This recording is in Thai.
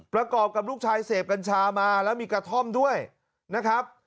กับลูกชายเสพกัญชามาแล้วมีกระท่อมด้วยนะครับ